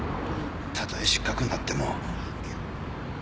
たとえ失格になっても。